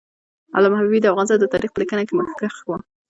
علامه حبیبي د افغانستان د تاریخ په لیکنه کې مخکښ و.